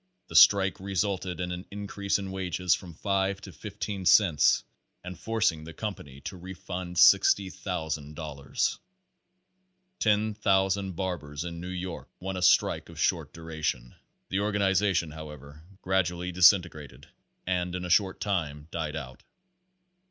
The strike resulted in an in crease in wages from 5 to 15 per cent and forcing the company to refund $60,000. Ten thousand barbers in New York won a strike of short duration. The organization, however, gradually disintegrated and in a short time died out.